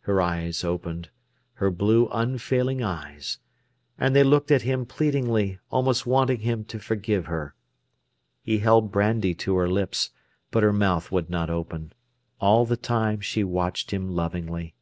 Her eyes opened—her blue, unfailing eyes—and she looked at him pleadingly, almost wanting him to forgive her. He held brandy to her lips, but her mouth would not open. All the time she watched him lovingly.